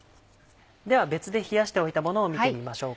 では別で冷やしておいたものを見てみましょう。